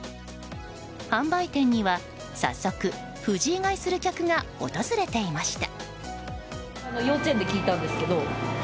販売店には早速フジイ買いする客が訪れていました。